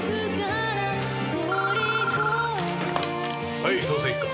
はい捜査一課。